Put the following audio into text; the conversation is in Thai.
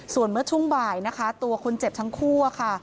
ส่วนเมื่อช่วงบ่ายตัวคนเจ็บทั้งคู่